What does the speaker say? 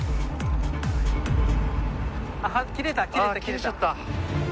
あっ切れた切れた切れた。